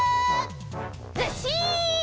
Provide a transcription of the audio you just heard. ずっしん！